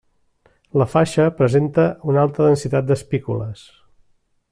La faixa presenta una alta densitat d'espícules.